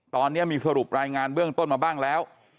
ตอนนี้มีสรุปรายงานเบื้องต้นมาบ้างแล้ว